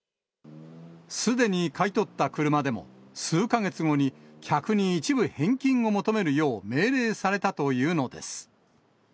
すでに買い取った車でも、数か月後に客に一部、返金を求めるよう命令されたというのです。